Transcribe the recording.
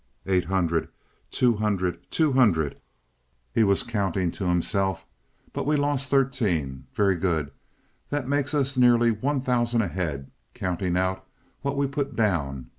"Eight hundred, two hundred, two hundred"—he was counting to himself—"but we lose thirteen. Very good, that makes us nearly one thousand ahead, counting out what we put down.